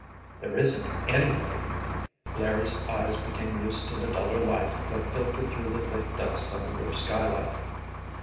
"There isn't anybody!" Larry's eyes became used to the duller light that filtered through the thick dust on the roof skylight.